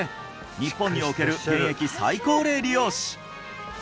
日本における現役最高齢理容師！